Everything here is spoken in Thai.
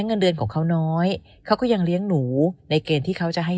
เงินเดือนของเขาน้อยเขาก็ยังเลี้ยงหนูในเกณฑ์ที่เขาจะให้